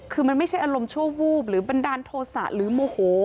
คือมันไม่ใช่อารมณ์ชั่ววูบหรือบันดาลโทษะหรือโมโห